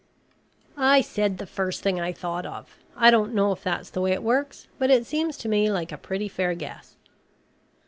"I said the first thing I thought of. I don't know if that's the way it works, but it seems to me like a pretty fair guess."